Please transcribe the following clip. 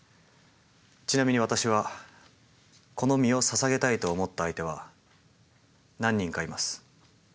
ちなみに私はこの身をささげたいと思った相手は何人かいます。